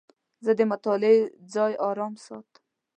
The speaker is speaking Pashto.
زه د مطالعې ځای آرام ساتم.